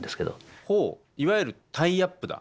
いわゆるタイアップだ。